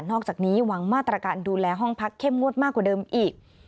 อกจากนี้วางมาตรการดูแลห้องพักเข้มงวดมากกว่าเดิมอีก